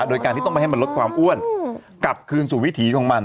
โดยการที่ต้องไม่ให้มันลดความอ้วนกลับคืนสู่วิถีของมัน